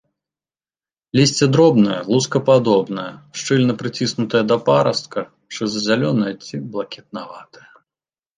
Лісце дробнае лускападобнае, шчыльна прыціснутае да парастка, шыза-зялёнае ці блакітнаватае.